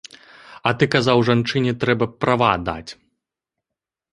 А ты казаў жанчыне трэба права даць.